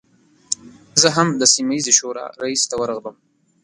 زه هم د سیمه ییزې شورا رئیس ته ورغلم.